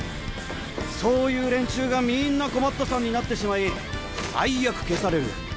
そういう連中がみんな困ったさんになってしまい最悪消される。